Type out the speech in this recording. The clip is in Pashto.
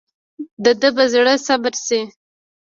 دده به زړه صبر شي.